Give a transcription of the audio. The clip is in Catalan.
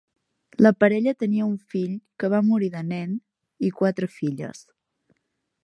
La parella tenia un fill que va morir de nen i quatre filles.